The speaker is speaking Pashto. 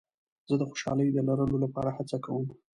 زه د خوشحالۍ د لرلو لپاره هڅه کوم.